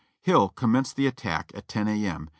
Hill commenced the attack at 10 A. M..